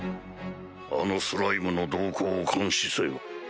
あのスライムの動向を監視せよ。